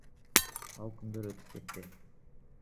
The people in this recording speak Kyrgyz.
Ал күндөр өтүп кетти.